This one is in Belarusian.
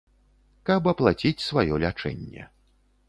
Каб аплаціць сваё лячэнне.